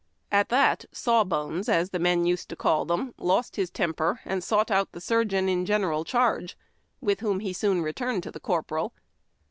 At that "Sawbones." (as the men used to call them) lost his temper and sought out the surgeon in general charge, with whom he soon returned to the corporal.